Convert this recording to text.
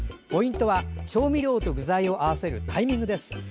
ポイントは調味料と具材を合わせるタイミングです。